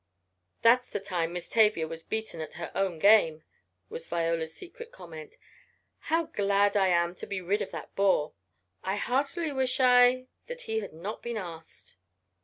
"That's the time Miss Tavia was beaten at her own game," was Viola's secret comment. "How glad I am to get rid of that bore. I heartily wish I that he had not been asked."